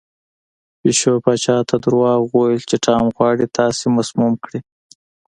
پیشو پاچا ته دروغ وویل چې ټام غواړي تاسې مسموم کړي.